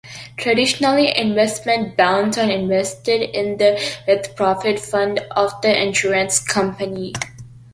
Traditionally investment bonds only invested in the with-profit fund of the insurance company.